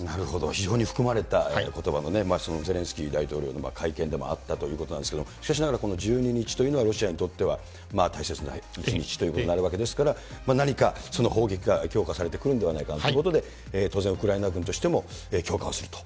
非常に含まれたことばのね、ゼレンスキー大統領の会見でもあったということなんですけれども、しかしながらこの１２日というのは、ロシアにとっては大切な一日ということになるわけですから、何かその砲撃が強化されてくるんではないかということで、当然、ウクライナ軍としても強化をすると。